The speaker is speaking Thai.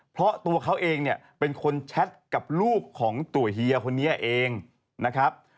เพราะตัวเขาเองเนี่ยเป็นคนแชทกับรูปของตัวเฮียคนนี้เองนะครับ